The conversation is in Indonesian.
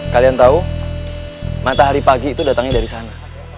kalian tahu matahari pagi itu datangnya dari sana